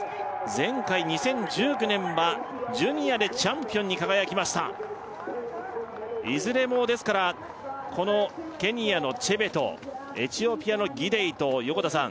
前回２０１９年はジュニアでチャンピオンに輝きましたいずれもですからこのケニアのチェベトエチオピアのギデイと横田さん